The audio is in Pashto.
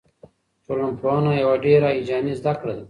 ټولنپوهنه یوه ډېره هیجاني زده کړه ده.